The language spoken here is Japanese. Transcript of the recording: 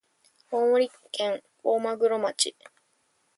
青森県大鰐町